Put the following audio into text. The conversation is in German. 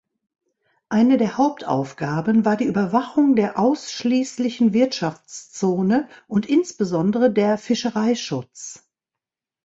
Eine der Hauptaufgaben war die Überwachung der Ausschließlichen Wirtschaftszone und insbesondere der Fischereischutz.